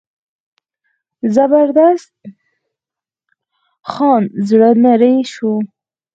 زبردست خان زړه نری شو.